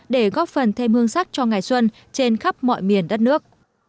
để góp phần thêm hương sắc cho ngày xuân trên khắp mọi miền đất nước